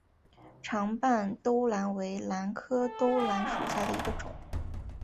长瓣兜兰为兰科兜兰属下的一个种。